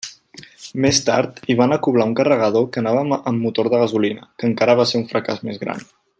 Més tard hi van acoblar un carregador que anava amb motor de gasolina, que encara va ser un fracàs més gran.